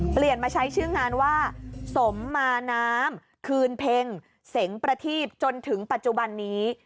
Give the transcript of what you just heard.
เปลี่ยนมาใช้ชื่องานว่าสมมาน้ำคืนเพ็งเสียงประทีบจนถึงปัจจุบันนี้